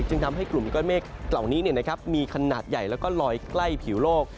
ทำให้กลุ่มก้อนเมฆเหล่านี้มีขนาดใหญ่แล้วก็ลอยใกล้ผิวโลก